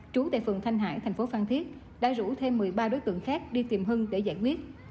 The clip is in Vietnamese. trú tại phường thanh hải thành phố phan thiết đã rủ thêm một mươi ba đối tượng khác đi tìm hưng để giải quyết